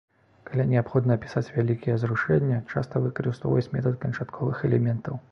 Калі неабходна апісаць вялікія зрушэння, часта выкарыстоўваюць метад канчатковых элементаў.